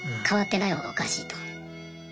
変わってない方がおかしいと。